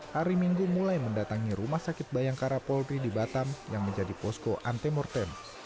hari minggu mulai mendatangi rumah sakit bayangkara polri di batam yang menjadi posko antemortem